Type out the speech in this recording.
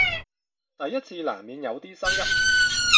第一次難免有啲生澀